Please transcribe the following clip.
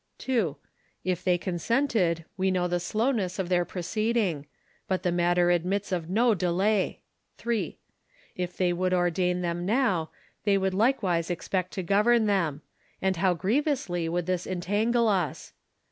(2) If they consented, we know the slowness of their proceeding ; but the matter admits of no de lay. (3) If they would ordain them now, they would likewise expect to govern them ; and how grievously would tliis entan gle us